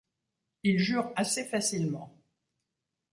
Il jure assez facilement.